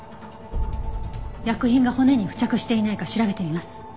薬品が骨に付着していないか調べてみます。